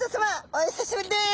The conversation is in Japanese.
お久しぶりです。